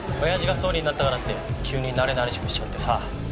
親父が総理になったからって急になれなれしくしちゃってさ。